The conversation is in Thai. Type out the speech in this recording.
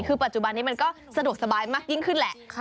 คือปัจจุบันนี้มันก็สะดวกสบายมากยิ่งขึ้นแหละ